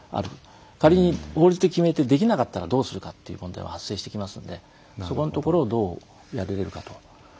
仮に法律で決めてできなかったらどうするかっていう問題も発生してきますのでそこんところをどうやれるかと。